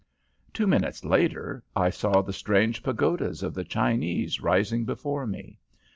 "Two minutes later I saw the strange pagodas of the Chinese rising before me.